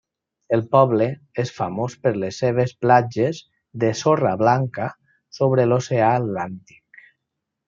El poble és famós per les seves platges de sorra blanca sobre l'oceà Atlàntic.